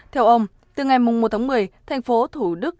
theo ông từ ngày một tháng một mươi thành phố thủ đức